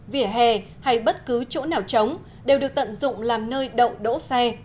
vỉa hè hay bất cứ chỗ nào trống đều được tận dụng làm nơi đậu đỗ xe